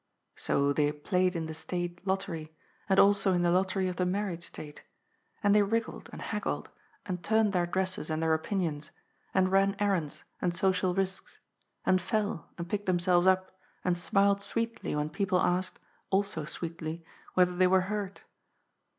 So they played in the State Lottery, and also in the lottery of the married state, and they wriggled and haggled, and turned their dresses and their opinions, and ran errands and social risks, and fell and picked themselves up and smiled sweetly when people asked — also sweetly — ^whether they were hurt.